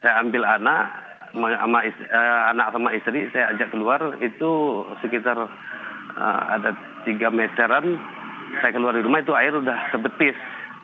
saya ambil anak sama anak sama istri saya ajak keluar itu sekitar ada tiga meteran saya keluar di rumah itu air sudah sebetis